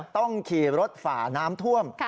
ต้องขี่รถฝ่าน้ำท่วม